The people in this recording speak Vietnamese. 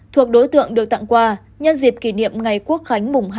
thuộc đối tượng được tặng quà nhân dịp kỷ niệm ngày quốc khánh